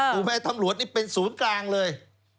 ถูกไหมตำรวจนี่เป็นศูนย์กลางเลย